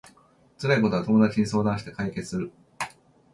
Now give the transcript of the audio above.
辛いことは友達に相談して解決する